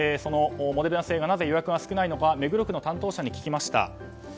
モデルナ製はなぜ予約が少ないのか目黒区の担当者に聞きました。